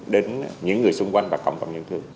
đến những người xung quanh và cộng cộng nhân thương